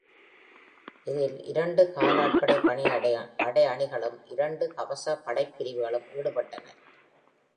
இதில் இரண்டு காலாட்படை படையணிகளும் இரண்டு கவச படைப்பிரிவுகளும் ஈடுபட்டனர்.